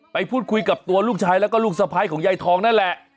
ไปพูดคุยกับตัวลูกชายแล้วก็ลูกสะพ้ายของยายทองนั่นแหละ